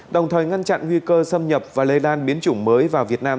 đồng thời ngăn chặn nguy cơ xâm nhập và lây lan biến chủng mới vào việt nam